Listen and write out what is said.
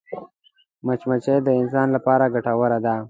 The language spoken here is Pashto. مچمچۍ د انسان لپاره ګټوره ده